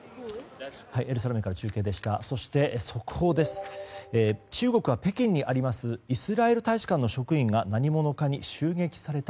エルサレムから中継でした。